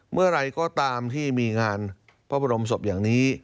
เมื่อไหร่ก็ตามที่มีงานพระบรมศพอย่างนี้